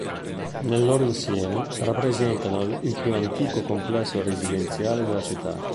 Nel loro insieme, rappresentano il più antico complesso residenziale della città.